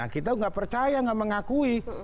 kita tidak percaya tidak mengakui